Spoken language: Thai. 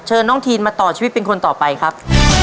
น้องทีนมาต่อชีวิตเป็นคนต่อไปครับ